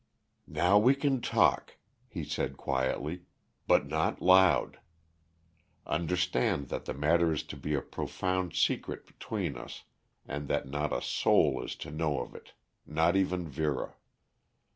"Now we can talk," he said quietly, "but not loud. Understand that the matter is to be a profound secret between us and that not a soul is to know of it; not even Vera."